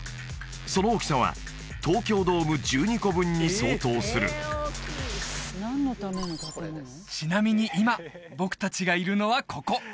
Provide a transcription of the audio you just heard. その大きさは東京ドーム１２個分に相当するちなみに今僕達がいるのはここ！